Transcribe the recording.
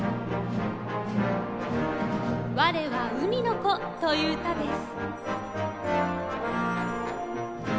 「我は海の子」という歌です。